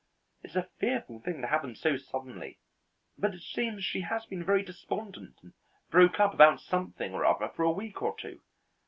It's a fearful thing to happen so suddenly, but it seems she has been very despondent and broke up about something or other for a week or two.